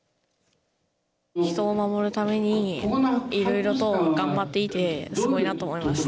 守るためにいろいろと頑張っていてすごいなと思いました。